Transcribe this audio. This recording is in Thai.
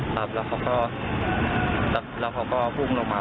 ครับแล้วเขาก็พุ่งออกมาแล้วเขาก็บอกว่ามันจะลบไหม